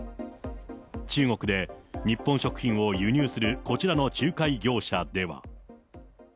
中国で日本食品を輸入するこちらの仲介業者では。